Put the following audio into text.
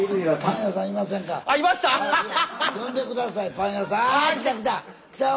パン屋さん？